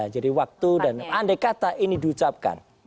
jadi waktu dan andek kata ini diucapkan